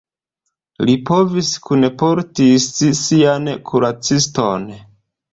Li povis kunportis sian kuraciston.